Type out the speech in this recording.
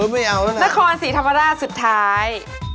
เออไม่เอาแล้วนะครับนครสีธรรมดาสุดท้าย